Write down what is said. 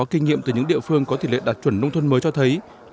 kinh nghiệm từ những địa phương có tỷ lệ đạt chuẩn nông thôn mới cho thấy